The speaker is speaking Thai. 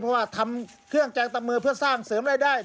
เพราะว่าทำเครื่องแจงตับมือเพื่อสร้างเสริมรายได้